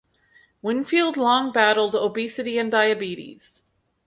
Winfield long battled obesity and diabetes.